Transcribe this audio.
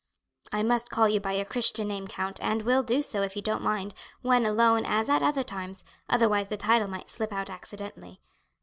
"I must call you by your Christian name, count, and will do so, if you don't mind, when alone as at other times, otherwise the title might slip out accidentally.